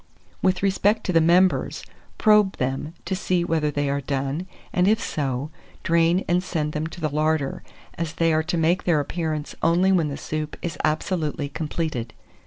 With respect to the members, probe them, to see whether they are done, and if so, drain and send them to the larder, as they are to make their appearance only when the soup is absolutely completed.